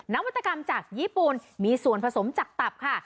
นวัตกรรมจากญี่ปุ่นมีส่วนผสมจากตับค่ะ